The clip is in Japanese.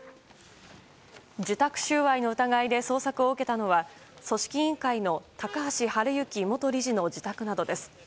受託収賄の疑いで捜索を受けたのは組織委員会の高橋治之元理事の自宅などです。